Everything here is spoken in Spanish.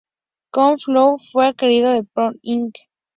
Cover Flow fue adquirido por Apple Inc.